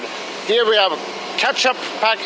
di sini kita memiliki botol kacau